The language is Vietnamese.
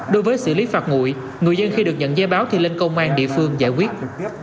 đối với xử lý phạt ngụy người dân khi được nhận giấy báo thì lên công an địa phương giải quyết